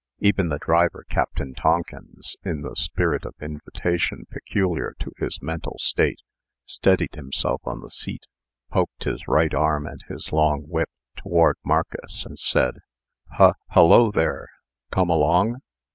Even the driver, Captain Tonkins, in the spirit of invitation peculiar to his mental state, steadied himself on the seat, poked his right arm and his long whip toward Marcus, and said: "Hu hullo there come along?"